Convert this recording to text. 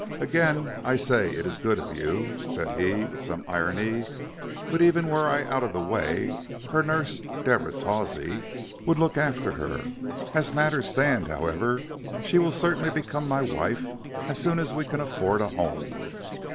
"Again, I say it is good of you," said he with some irony; "but even were I out of the way, her nurse, Deborah Tawsey, would look after her. As matters stand, however, she will certainly become my wife as soon as we can afford a home."